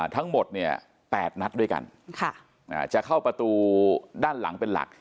ทั้งหมดเนี่ย๘นัดด้วยกันจะเข้าประตูด้านหลังเป็นหลัก